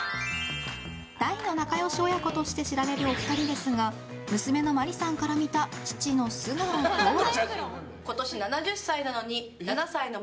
大の仲良し親子として知られるお二人ですが娘の麻里さんから見た父の素顔とは。